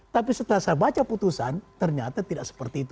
tapi setelah saya baca putusan ternyata tidak seperti itu